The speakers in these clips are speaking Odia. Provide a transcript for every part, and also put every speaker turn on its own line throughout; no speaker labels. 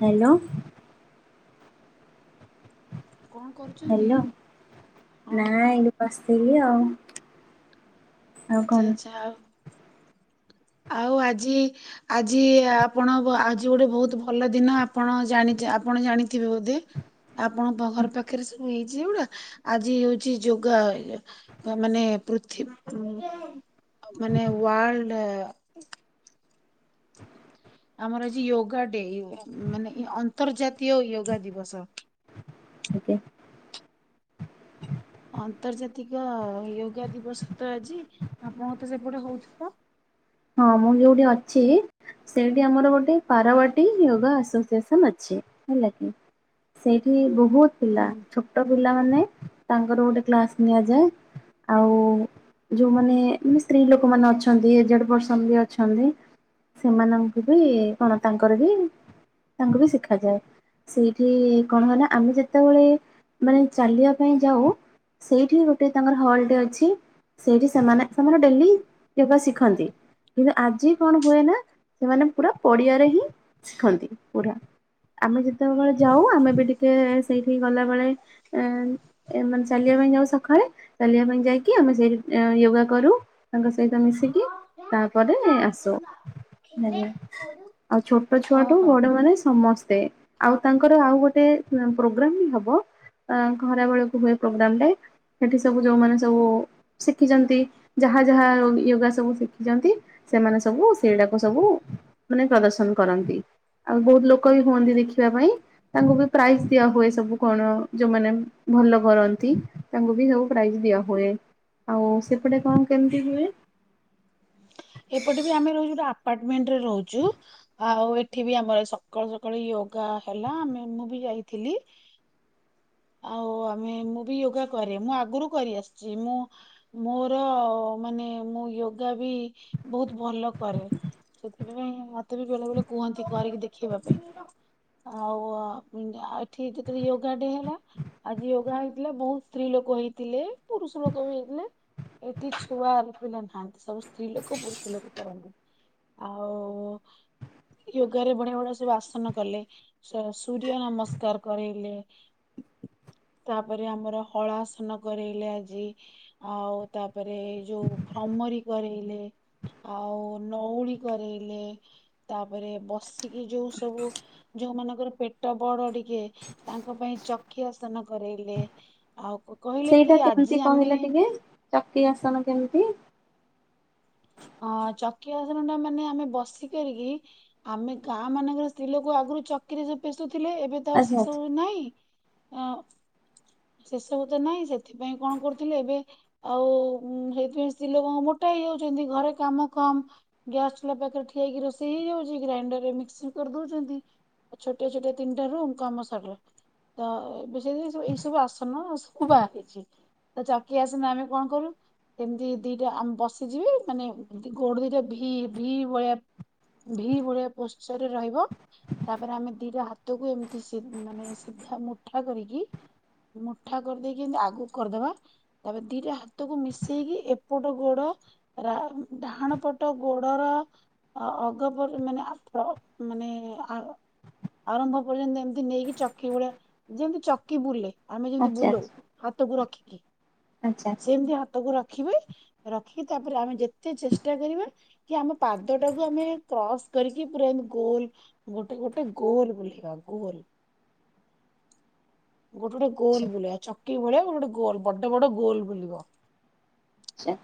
ହ୍ୟାଲୋ।
କଣ କରୁଛନ୍ତି?
ହ୍ୟାଲୋ ନାଇଁ ଵ ସେଇଆ ଆଉ। ଆଉ
ଆଚ୍ଛା
କଣ
ଆଚ୍ଛା ଆଉ। ଆଉ ଆଜି ଆଜି ଆପଣ ଆଜି ଗୋଟେ ବହୁତ ଭଲ ଦିନ ଆପଣ ଜାଣି ଆପଣ ଜାଣିଥିବେ ବୋଧେ ଆପଣଙ୍କ ଘର ପାଖରେ ସବୁ ହେଇଛି ଏଗୁଡ଼ା ଆଜି ହଉଛି ଯୋଗା ମାନେ ପୃଥିବୀ ମାନେ ୱାଲ୍ଡ [inaudible] ଆମର ଆଜି ଯୋଗା ଡେ ମାନେଇ ଅନ୍ତର୍ଜାତୀୟ ୟୋଗା ଦିବସ।
ଆଜ୍ଞା
ଆନ୍ତର୍ଜାତିକ ଯୟୋଗା ଦିବସ ତ ଆଜି ଆପଣଙ୍କ ତ ସେପଟେ ହଉଥିବ?
ହଁ ମୁଁ ଯୋଉଠି ଅଛି ସେଇଠି ଆମର ଗୋଟେ ପାରବାଟୀ ଯୋଗା ଆସୋସିଏସନ ଅଛି ହେଲା କି ସେଇଠି ବହୁ ବହୁତ ପିଲା
ହୁଁ
ଛୋଟ ପିଲାମାନୋ ତାଙ୍କର ଗୋଟେ କ୍ଲାସ ନିଆଯାଏ ଆଉ ଯୋଉମାନେ ମାନେ ସ୍ତ୍ରୀ ଲୋକମାନେ ଅଛନ୍ତି ଏଜେଡ ପର ଅଛନ୍ତି ସେମାନଙ୍କୁ ବି କଣ ତାଙ୍କର ବି ତାଙ୍କୁ ବି ଶିଖାଯାଏ, ସେଇଠି କଣ ହୁ ନା ଆମେ ଯେତେବେଳେ ମାନେ ଚାଲିବା ପାଇଁ ଯାଉ ସେଇଠି ଗୋଟେ ତାଙ୍କର ହଲ୍ ଟେ ଅଛି ସେଇଠି ସେମାନେ ସେମାନେ ଡେଲି ଯୋଗ ଶିଖନ୍ତି। କିନ୍ତୁ ଆଜି କଣ ହୁଏ ନା ସେମାନେ ପୁରା ପଡିଆରେ ହିଁ ଶିଖନ୍ତି ପୁରା ଆମେ ସେତେବେଳେ ଯାଉ ଆମେ ବି ଟିକେ ଟ ସେଇଠି ଗଲା ବେଳେ ମାନେ ଚାଲିବା ପାଇଁ ଯାଉ ସକାଳେ ଚାଲିବା ପାଇଁ ଯାଇକି ଆମେ ସେଇଠି ୟୋଗା କରୁ। ତାଙ୍କ ସହିତ ମିଶିକି ପରେ ଆସୁ ଆଉ ଛୋଟ ଛୁଆଠୁ
ଓହୋ
ବଡ ମାନେ ସମସ୍ତେ ଆଉ ତାଙ୍କର ଆଉ ଗୋଟେ ପ୍ରୋଗ୍ରାମ ବି ହବ ଖରା ବେଳକୁ ହୁଏ ପ୍ରୋଗ୍ରାମଟେ ସେଠି ସବୁ ଯୋଉମାନେ ସବୁ ଶିଖିଛନ୍ତି ଯାହା ଯାହା ୟୋଗା ସବୁ ଶି ଦେଖିଛନ୍ତି ସେମାନେ ସବୁ ସେଇଟାକୁ ସବୁ ମାନେ ପ୍ରଦର୍ଶନ କରନ୍ତି ଆଉ ବହୁତ ଲୋକ ବି ହୁଅନ୍ତି ଦେଖିବା ପାଇଁ ତାଙ୍କୁ ବି ପ୍ରାଇଜ ଦିଆ ହୁଏ ସବୁ କଣ ଯୋଉମାନେ ଭଲ କରନ୍ତି ତାଙ୍କୁ ବି ସବୁ ପ୍ରାଇଜ୍ ଦିଆ ହଏ ଆଉ ସେପଟେ କଣ କେମିତି ହୁଏ?
ଏପଟେ ବି ଆମେ ରହିଛୁ ଗୋଟେ ପାର୍ଟମେଣ୍ଟରେ ରହୁଛୁ ଆଉ ଏଠି ବି ଆମର ସକାଳୁ ସକାଳୁ ୟୋଗା ହେଲା ଆମେ ମୁଁ ବି ଯାଇଥିଲି ଆଉ ଆମେ ମୁଁ ବି ୟୋଗା କରେ ମୁଁ ଆଗରୁ କରିଆସିଛି ମୁଁ ମୋର ମାନେ ମୁଁ ୟୋଗା ବି ବହୁତ ଭଲ କରେ ସେଥିପାଇଁ ମତେ କେତେ ବି ବେଳେ ବେଳେ କୁହନ୍ତି କରିକି ଦେଖେଇବା ପାଇଁ। ଆଉ ଏଠି ଯେତେବେଳେ ୟୋଗା ଡେ ହେଲା ଆଜି ୟୋଗା ହେଇଥିଲା ବହୁତ ସ୍ତ୍ରୀ ଲୋକ ହେଇଥିଲେ। ପୁରୁଷ ଲୋକ ବି ହେଇଥିଲେ ଏଠି ଛୁଆ ପିଲା ନାହାନ୍ତି ସବୁ ସ୍ତ୍ରୀ ଲୋକ କ ପୁରୁଷ ଲୋକ କରନ୍ତି ଆଉ ୟୋଗାରେ ବଢିଆ ବଢିଆ ସବୁ ଆସନ କଲେ ସୂର୍ଯ୍ୟ ନମସ୍କାର କରାଇଲେ ତାପରେ ଆମର ହଳା ଆସନ କରାଇଲେ ଆଜି ଆଉ ତାପରେ ଯୋଉ ଭ୍ରମରୀ କରାଇଲେ। ଆଉ ନଉଳି କରାଇଲେ ତାପରେ ବସିକି ଯୋଉ ସବୁ ଯୋଉମାନଙ୍କର ପେଟ ବଡ ଟିକେ ତାଙ୍କ ପାଇଁ ଚକ୍ଷିଆସନ କରାଇଲେ ଆଉ କହିଲେ
ସେଇଟା
କି
କେମିତି
ଆଜି
କହିଲା
ଆମେ
ଟିକେ କି ଆସନ କେମିତି?
ହଁ ଚକି ଆସନ ଟା ମାନେ ଆମେ ବସି କରିକି ଆମେ ଗାଁ ମାନଙ୍କର ସ୍ତ୍ରୀ ଲୋକ ଆଗରୁ ଚକିରେ ସବୁ ପେ ଥିଲେ ଏବେ ତ ସେ
ଆଚ୍ଛା
ସବୁ ନାଇଁ ହଁ ସେସବୁ ତ ନାଇଁ ସେଥିପାଇଁ କଣ କରୁଥିଲେ ଏବେ ଆଉ ସେଇଥିପାଇଁ ସ୍ତ୍ରୀ ଲୋକଙ୍କ ମୋଟା ହେଇଯାଉଛନ୍ତି, ଘରେ କାମ କମ ଗ୍ୟାସ ଚୁଲା ପାଖରେ ଠିଆଇକି ରୋଷେଇ ହେଇଯାଉଛି ଗ୍ରାଇଣ୍ଡରରେ ମିକ୍ସିଂ କରି ଦଉଛନ୍ତି ଛୋଟିଆ ଛୋଟିଆ ତିନିଟା ରୁମ୍ କାମ ସାରିଲା ତ ଏବେ ସେଥି ବୁ ଆସନ ସବୁ ବାହାରିଛି ଚକି ଆସନ ଆମେ କଣ କରୁ ଏମିତି ଦିଟା ବସିଯିବେ ମାନେ ଗୋଡ ଦିଟା ଭି ଭି ଭଳିଆ ଭି ଭଳିଆ ପୋସ୍ଚରରେ ରହିବ ତାପରେ ଆମେ ଦିଟା ହାତକୁ ଏମିତି ମାନେ ସିଧା ମୁଠା କରିକି ମୁଠା କରିଦେଇକି ଏମତି ଆଗକୁ କରିଦବା ତାପରେ ଦିଟା ହାତକୁ ମିଶେଇକି ଏପଟ ଗୋଡ ଡାହାଣ ପଟ ଗୋଡର ଅଗ ମାନେ ମାନେ ଆରମ୍ଭ ପର୍ଯ୍ୟନ୍ତ ଏମିତି ନେଇକି ଚକି ଭଳିଆ ଯେମତି ଚକି ବୁଲେ। ଆମେ ଯେମିତି
ଆଚ୍ଛା
ବୁଲଉ ହାତକୁ ରଖି। ଆ
ଆଚ୍ଛା
ସେିମତି ହାତକୁ ରଖ ରଖିବେ ରଖିକି ତାପରେ ଆମେ ଯେତେ ଚେଷ୍ଟା କରିବା କି ଆମ ପାଦ ଟାକୁ ଆମେ କ୍ରସ୍ କରିକି ପୁରାମତି ଗୋଲ ଗୋଟେ ଗୋଟେ ଗୋଲ ବୁଲେଇବା ଗୋଲ ଗୋଟେ ଗୋଟେ ଗୋଲ ବୁଲେଇବା ଚକି ଭଳିଆ ଗୋଟେ ଗୋଟେ ଗୋଲ ବଡ ବଡ ଗୋଲ ବୁଲିବ।
ଆଛା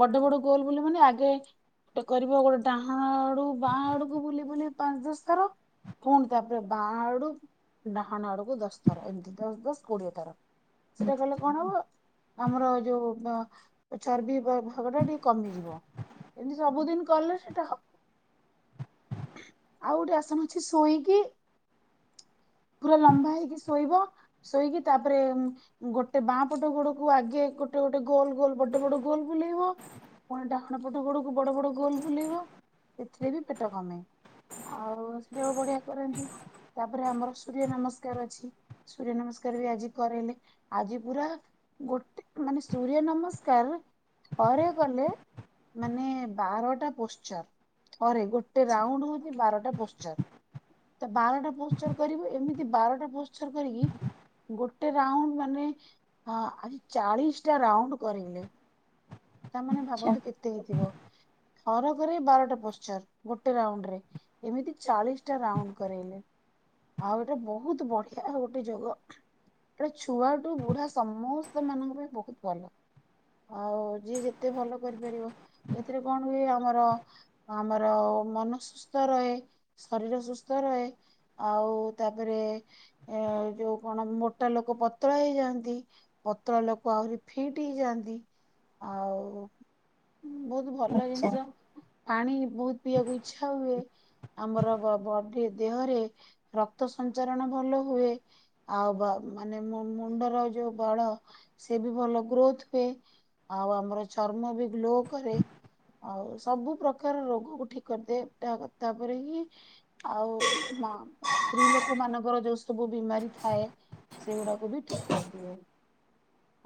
ବଡ ବଡ ଗୋଲ ବୁଲେ ମାନେ ଆଗେ ଗୋଟେ କରିବ ଗୋଟେ ଡାହାଣ ଆଡୁ ବାଁ ଆଡକୁ ବୁଲି ବୁଲି ପାଞ୍ଚ ଦଶ ଥର ପୁଣି ତାପରେ ବାଁ ଆଡୁ ଡାହାଣ ଆଡକୁ ଦଶ ଥର ଏମିତି ଦଶ ଦଶ କୋଡିଏ ଥର ସେଟା କହଲେ କଣ ହବ ଆମର ଯୋଉ ଚର୍ବି ଭାଗ ଟା ଟିକେ କମିଯିବ ଏମିତି ସବୁଦିନ କଲେ ସେଇଟା ହବ ଆଉ ଗୋଟେ ଆସନ ଅଛି ଶୋଇକି ପୁରା ଲମ୍ବା ହେଇକି ଶୋଇବ ଶୋଇକି ତାପରେ ଗୋଟେ ବାଁ ପଟ ଗୋଡକୁ ଆଗେ ଗୋଟେ ଗୋଟେ ଗୋଲ ଗୋଲ ଗୋଟେ ବଡ ଗୋଲ ବୁଲେଇବ ପୁଣ ଡାହାଣ ପଟ ଗୋଡକୁ ବଡ ବଡ ଗୋଲ ବୁଲେଇବ ଏଥିରେ ବି ପେଟ କମେ ଆଉ ସେଟା ବି ବଢିଆ କରନ୍ତି ତାପରେ ଆମର ସୂର୍ଯ୍ୟ ନମସ୍କାର ଅଛି ସୂର୍ଯ୍ୟ ନମସ୍କାର ବି ଆଜି କରାଇଲେ ଆଜି ପୁରା ଗୋଟେ ମାନେ ସୂର୍ଯ୍ୟ ନମସ୍କାର ଅରେ କଲେ ମାନେ ବାରଟା ପୋସ୍ ଚର ଅରେ ଗୋଟେ ରାଉଣ୍ଡ ହଉଛି ବାରଟା ପୋସ୍ ଚର ତ ବାରଟା ପୋସ୍ ଚର କରିବୁ ଏମିତି ବାରଟା ପୋସ୍ ଚର କରିକି ଗୋଟେ ରାଉଣ୍ଡ ମାନେ ଚାଳିଶଟା ରାଉଣ୍ଡ କରାଇଲେ। ତାମାନେ
ଆଚ୍ଛା
ଭାବନ୍ତୁ କେତେ ହେଇଥିବ। ଥରକରେ ବାରଟା ପୋସଚର ଗୋଟେ ରାଉଣ୍ଡରେ ଏମିତି ଚାଳିଶଟା ରାଉଣ୍ଡ କରାଇଲେ ଆଉ ଏଇଟା ବହୁତ ବଢିଆ ଗୋଟେ ଯୋଗ ଏଟା ଛୁଆଠୁ ବୁଢା ସମସ୍ତ ମାନଙ୍କ ପାଇଁ ବହୁତ ଭଲ। ଆଉ ଯିଏ ଯେତେ ଭଲ କରିପାରିବ ଏଥିରେ କଣ ହୁଏ ଆମର ଆମର ମନ ସୁସ୍ଥ ରହେ, ଶରୀର ସୁସ୍ଥ ରହେ ଆଉ ତାପରେ ଏ ଯୋଉ କଣ ମୋଟା ଲୋକ ପତଳା ହେଇଯାଆନ୍ତି, ପତଳା ଲୋକ ଆହୁରି ଫିଟ୍ ହେଇଯାଆନ୍ତି। ଆଉ ବହୁତ ଭଲ
ଆଚ୍ଛା
ଜିନିଷ। ପାଣି ବହୁତ ପିଇବାକୁ ଇଛା ହୁଏ। ଆମର ବ ବ ବଡି ଦେହରେ ରକ୍ତ ସଞ୍ଚାରଣ ଭଲ ହୁଏ। ଆଉ ମାନେ ମୁଣ୍ଡର ଯୋଉ ବାଳ ସେ ବି ଭଲ ଗ୍ରୋଥ ହୁଏ। ଆଉ ଆମର ଚର୍ମ ବି ଗ୍ଲୋ କରେ। ଆଉ ସବୁ ପ୍ରକାର ରୋଗକୁ ଠିକ କରିଦିଏ। ତା ତାପରେ ହିଁ ଆଉ ମ ସ୍ତ୍ରୀ ଲୋକ ମାନଙ୍କର ଯୋଉ ସବୁ ବିମାରୀ ଥାଏ। ସେଗୁଡାକୁ ବି ଠିକ କରିଦିଏ।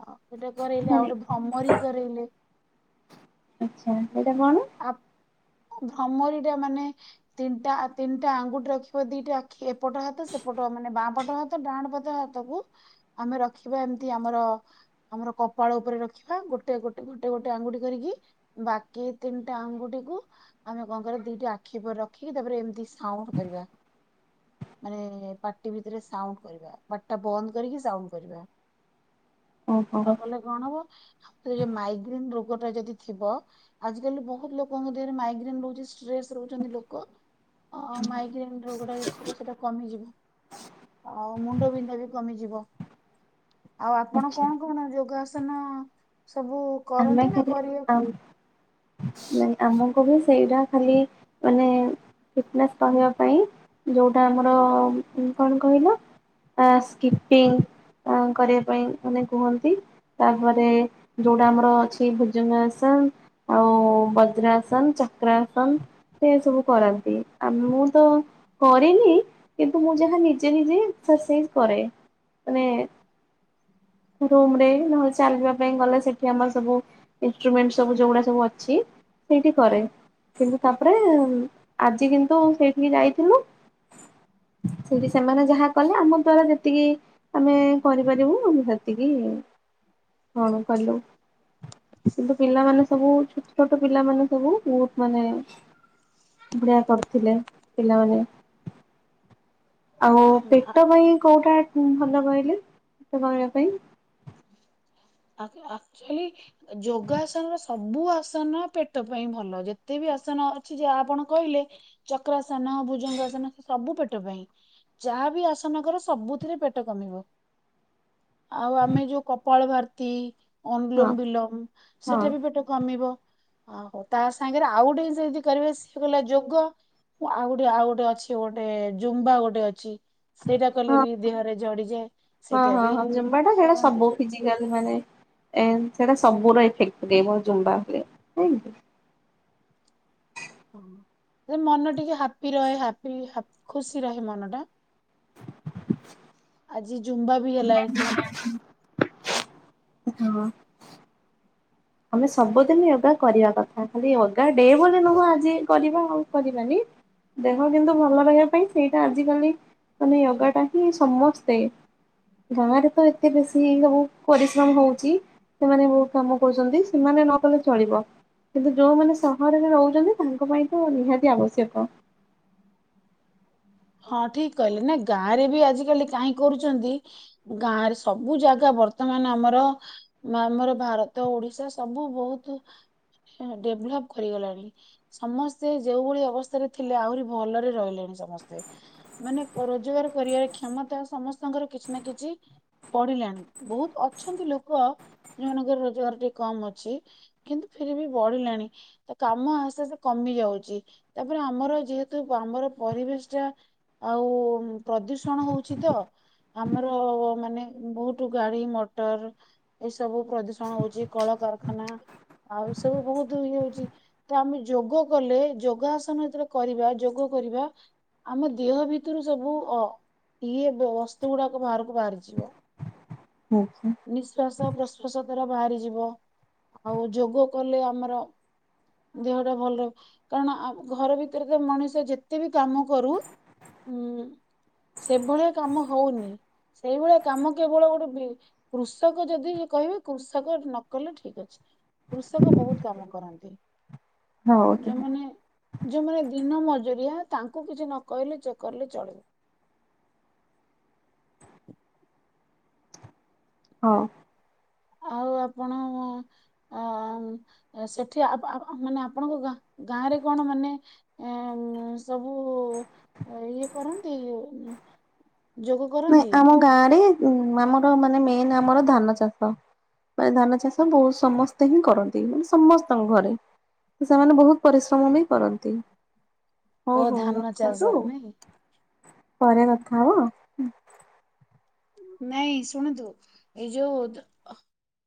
ଅ ସେଇଟା କରାଇଲେ ଆ
ଆରେ
ଗୋଟେ ଅମରି କରେଇଲେ।
ଆଛା ସେଇଟା କଣ।
ଭ୍ରମରିଟା ମାନେ ତିନିଟା ତିନିଟା ଆଙ୍ଗୁଠି ରଖିବ। ଦିଟା ଆଖି ଏପଟ ହାତ ସେପଟ ମାନେ ବାଁପଟ ହାତ ଡାହାଣ ପଟ ହାତକୁ ଆମେ ରଖିବା। ଏମିତି ଆମର ଆମର କପାଳ ଉପରେ ରଖିବା। ହେ ଗୋଟେ ଗୋଟେ ଗୋଟେ ଗୋଟେ ଆଙ୍ଗୁଠି କରିକି। ବାକି ତିନିଟା ଆଙ୍ଗୁଠିକୁ ଆମେ କଣ କରିବା ଦିଟିା ଆଖି ଉପରେ ରଖିକି ତାପରେ ଏମିତି ସାଉଣ୍ଡ କରିବା। ମାନେ ପାଟି ଭିତରେ ସାଉଣ୍ଡ କରିବା। ପାଟି ଟା ବନ୍ଦ କରିକି ସାଉଣ୍ଡ କରିବା। ଆ
ଓହୋ
କଲେ କଣ ହବ। ଏ ଯୋଉ ମାଇଗ୍ରେନ ରୋଗ ଟା ଯଦି ଥିବ। ଆଜିକାଲି ବହୁତ ଲୋକଙ୍କ ଦେହରେ ମାଇଗ୍ରେନ ରହୁଛି। ଷ୍ଟ୍ରେସ ରହୁଛନ୍ତି ଲୋକ ଅ ମାଇଗ୍ରେନ ରୋଗଟା ଯଦି ଥିବ ସେଟା କମିଯିବ। ଆଉ ମୁଣ୍ଡ ବିନ୍ଧା ବି କମିଯିବ। ଆଉ ଆପଣ
ଆଚ୍ଛା
କଣ କଣ ଯୋଗାସନ ସବୁ।
ଆମ
କରନ୍ତି ନା
ଘରେ
କରିବାକୁ
କରେ। ମ ଆମକୁ ବି ସେଇଟା ଖାଲି ମାନେ ଫିଟନେସ୍ କରିବା ପାଇଁ। ଯୋଉଟା ଆମର ଅ କଣ କହିଲ ଅ ସ୍କିପିଙ୍ଗ କରିବା ପାଇଁ ମାନେ କୁହନ୍ତି। ତାପରେ ଯୋଉଟା ଆମର ଅଛି ଭୋଜନସନ, ଆଉ ବଜ୍ରାସନ ଚକ୍ରାସନ ସେ ସବୁ କରନ୍ତି। ଆ ମୁଁ ତ କରେନି କିନ୍ତୁ ମୁଁ ଯାହା ନିଜେ ନିଜେ ଏକ୍ସାର୍ସାଇଯ କରେ, ମାନେ ରୁମ ରେ, ନହେଲେ ଚାଲିବା ପାଇଁ ଗଲେ ସେଠି ଆମର ସବୁ ଇନସ୍ରୁମେଣ୍ଟ ସବୁ ଯୋଉଗୁଡା ସବୁ ଅଛି, ସେଇଠି କରେ। କିନ୍ତୁ ତାପରେ ଆଜି କିନ୍ତୁ ସେଇଠିକି ଯାଇଥିଲୁ ସେଠି ସେମାନେ ଯାହା କଲେ ଆମ ଦ୍ୱାରା ଯେତିକି ଆମେ କରିପାରିବୁ ଏତିକି କଣ କଲୁ। କିନ୍ତୁ ପିଲାମାନେ ସବୁ ଛୋଟ ଛୋଟ ପିଲାମାନେ ସବୁ ବହୁତ ମାନେ ବଢିଆ କରୁଥିଲେ ପିଲାମାନେ। ଆଉ ପେଟ ପାଇଁ କୋଉଟା ଭଲ କହିଲି ସେତେ କହିବ। ପାଇଁ।
ଆ ଆକ୍ଚୁଆଲି ଯୋଗାସନ ର ସବୁ ସବୁ ଆସନ ପେଟ ପାଇଁ ଭଲ। ଯେତେ ବି ଆସନ ଅଛି ଯାହା ଆପଣ କହିଲେ ଚକ୍ରାସନ ଭୁଜଙ୍ଗ ଆସନ ସବୁ ପେଟ ପାଇଁ। ଯାହାବି ଆସନ କର ସବୁଥିରେ ପେଟ କମିବ। ଆଉ ଆମେ ଯୋଉ କପଳ ଭାର [unintelligible]
ହଁ
ଅନୁଲୋମ ବିଲୋମ
ହଁ
ସେଟା ବି ପେଟ କମିବ। ଓହୋ ତା ସାଙ୍ଗରେ ଆଉ ଗୋଟେ ଜିନିଷ ଯଦି କରିବେ ସିଏ ହେଲା ଯୋଗ। ଆଉ ଗୋଟେ ଆଉ ଗୋଟେ ଅଛି ଗୋଟେ ଜୁମ୍ବା ଗୋଟେ ଅଛି। ସେଇଟା କଲେ
ହଁ
ବି ଦେହରେ ଜଡିଯାଏ
ହଁ
ସେଇଟା
ହଁ
ବି
ହଁ ଜୁମ୍ବା ଟା
କରନ୍ତି, ସ
ଏମିତି ସେଇଟା ସବୁରେ ଇଫେକ୍ଟ ପକେଇବ ଜୁମ୍ବା ଉପରେ ନାଇଁ।
ମନ ଟିକେ ହାପି ରହେ ହାପୀ ହାପ ଖୁସି ରହେ ମନ ଟା।
[inaudible]
ଆଜି ଜୁମ୍ବା ବି ହେଲା ଏଠି।
ହଁ। ଆମେ ସବୁଦିନ ୟୋଗା କରିବା କଥା। ଖାଲି ୟୋଗା ଡେ ବୋଲି ନୁହଁ ଆଜି କରିବା ଆଉ କରିବାନି। ଦେହ କିନ୍ତୁ ଭଲ ରହିବା ପାଇଁ ସେଇଟା ଆଜିକାଲି ମାନେ ୟୋଗା ଟା ହିଁ ସମସ୍ତେ ଗାଁ ରେ ତ ଏତେ ବେଶୀ ସବୁ ପରିଶ୍ରମ ହଉଛି। ସେମାନେ ବହୁତ କାମ କହୁଛନ୍ତି ସେମାନେ ନ କଲେ ଚଳିବ। କିନ୍ତୁ ଯୋଉମାନେ ସହରରେ ରହୁଛନ୍ତି ତାଙ୍କ ପାଇଁ ତ ନିହାତି ଆବଶ୍ୟକ।
ହଁ ଠିକ କହିଲେ ନା ଗାଁରେ ବି ଆଜିକାଲି କାହିଁ କରୁଛନ୍ତି, ଗାଁରେ ସବୁ ଜାଗା ବର୍ତ୍ତମାନ ଆମର ଆମର ଭାରତ ଓଡିଶା ସବୁ ବହୁତ ଡେଭଲପ କରିଗଲାଣି। ସମସ୍ତେ ଯୋଉଭଳି ଅବସ୍ଥାରେ ଥିଲେ, ଆହୁରି ଭଲରେ ରହିଲେଣି ସମସ୍ତେ। ମାନେ ରୋଜଗାର କରିବାର କ୍ଷମତା ସମସ୍ତଙ୍କର କିଛି ନା କିଛି ବଢିଲାଣି ବହୁତ ଅଛନ୍ତି ଲୋକ ଯୋଉାନଙ୍କର ରୋଜଗାର ଟିକେ କମ ଅଛି କିନ୍ତୁ ଫିର ବି ବଢିଲାଣି ତ କାମ ଆସ୍ତେ ଆସ୍ତେ କମି ଯାଉଛି ତାପରେ ଆମର ଯେହେତୁ ଆମର ପରିବେଶ ଟା ଆଉ ପ୍ରଦୂଷଣ ହଉଛି ତ ଆମର ମାନେ ବହୁତ ଗାଡି ମଟର, ଏସବୁ ପ୍ରଦୂଷଣ ହଉଛି କଳକାରଖାନା ଆଉ ଏସବୁ ବହୁତ ଇଏ ହଉଛି ତ ଆମେ ଯୋଗ କଲେ ଯୋଗ ଆସନ ଯେତେବେଳେ କରିବା ଯୋଗ କରିବା ଆମ ଦେହ ଭିତରୁ ସବୁ ଅ ଇଏ ବସ୍ତୁ ଗୁଡାକ ବାହାରକୁ ବାହାରିଯିବ।
ଆଚ୍ଛା
ନିଶ୍ଵାସ ପ୍ରଶ୍ଵାସ ଦାରା ବାହାରି ଯିବ ଆଉ ଯୋଗ କଲେ ଆମର ଦେହଟା ଭଲ ରହ କାରଣ ଘର ଭିତରେ ତ ମଣିଷ ଯେତେବି କାମ କରୁ ଉଁ ସେଭଳିଆ କାମ ହଉନି ସେଇଭଳିଆ କାମ କେବଳ ଗୋଟେ କୃଷକ ଯଦି କହିବେ କୃଷକ ନକଲେ ଠିକ ଅଛି, କୃଷକ ବହୁତ କାମ କରନ୍ତି।
ହଉ ତାହେଲେ।
ଯୋଉମାନେ, ଯୋଉମାନେ ଦିନ ମଜୁରିଆ ତାକୁ କିଛି ନ କହିଲେ ଚ କରିଲେ ଚଳିବ।
ହଉ।
ଆଉ ଆପଣ ଅ ସେଠି ମାନେ ଆପଣଙ୍କ ଗାଁ ରେ କଣ ମାନେ ସବୁ ଇଏ କରନ୍ତି। ଯୋଗ
ନାଇଁ
କରନ୍ତି
ଆମ ଗାଁ ରେ ଉ ଆମର ମାନେ ମେନ୍ ଆମର ଧାନ ଚାଷ, ମାନେ ଧାନ ଚାଷ ବହୁତ ସମସ୍ତେ ହିଁ କରନ୍ତି। ମାନେ ସମସ୍ତଙ୍କ ଘରେ, ତ ସେମାନେ ବହୁତ ପରିଶ୍ରମ ବି କରନ୍ତି।
ଓ
ହଉ ହଉ
ଧାନ
ରଖନ୍ତୁ।
ଚାଷ ନାଇଁ
ପରେ କଥା ହବ ହୁଁ [inaudible]
ନାଇଁ ଶୁଣନ୍ତୁ ଏଇ ଯୋଉ